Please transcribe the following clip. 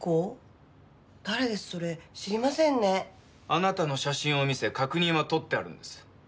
あなたの写真を見せ確認は取ってあるんです。